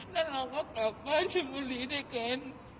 แล้วเราก็กลับบ้านชนบุรีได้กิน